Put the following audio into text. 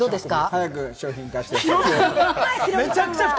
早く商品化してほしい。